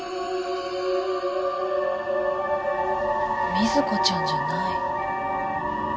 瑞子ちゃんじゃない。